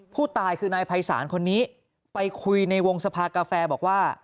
ผู้ตายคือนายภัยศาลคนนี้ไปคุยในวงสภากาแฟบอกว่า